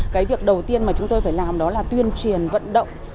cái việc đầu tiên mà chúng tôi phải làm đó là tuyên truyền vận động